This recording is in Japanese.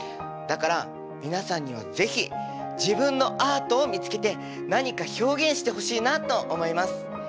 だから皆さんには是非自分のアートを見つけて何か表現してほしいなと思います。